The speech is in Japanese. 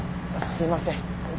すいません。